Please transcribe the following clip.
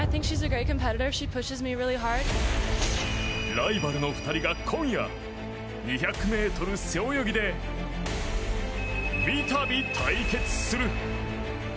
ライバルの２人が今夜２００ｍ背泳ぎでみたび対決する。